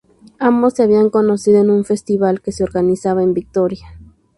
Ambos se habían conocido en un festival que se organizaba en Vitoria.